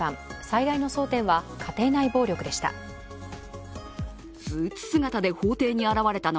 最大の争点は家庭内暴力でした。